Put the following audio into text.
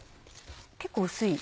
結構薄い。